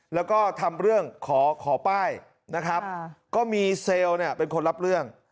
แล้วก็ทำเรื่องขอขอป้ายนะครับก็มีเซลล์เนี่ยเป็นคนรับเรื่อง